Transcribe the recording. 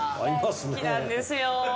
好きなんですよ。